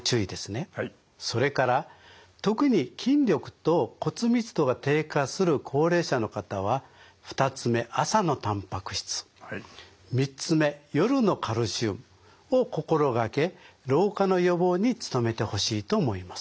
それから特に筋力と骨密度が低下する高齢者の方は２つ目朝のたんぱく質３つ目夜のカルシウムを心掛け老化の予防に努めてほしいと思います。